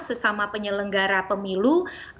sesama penyelenggara pemilu